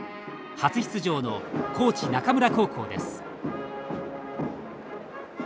初出場の高知・中村高校です。